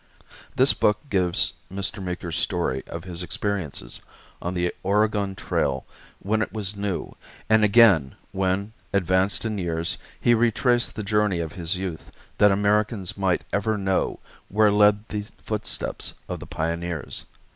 This book gives Mr. Meeker's story of his experiences on the Oregon Trail when it was new, and again when, advanced in years, he retraced the journey of his youth that Americans might ever know where led the footsteps of the pioneers.